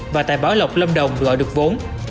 và tại bảo lộc lâm đồng gọi được vốn